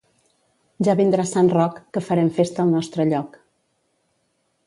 Ja vindrà Sant Roc, que farem festa al nostre lloc.